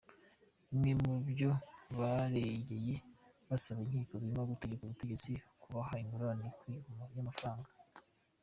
Bimwe mu byo baregeye basaba inkiko birimo gutegeka ubutegetsi bukabaha ingurane ikwiye y’amafaranga.